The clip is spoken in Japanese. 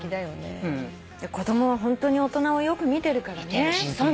子供はホントに大人をよく見てるからね。